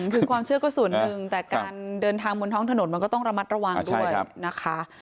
ถึงความเชื่อก็ส่วนหนึ่งแต่การเดินทางบนท้องถนนมันก็ต้องระมัดระวังด้วยนะคะ